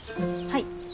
はい。